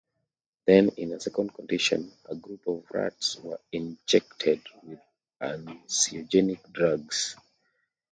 Then, in a second condition, a group of rats were injected with anxiogenic drugs.